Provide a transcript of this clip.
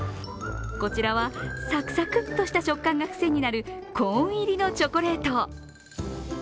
こちらはさくさくっとした食感が癖になるコーン入りのチョコレート。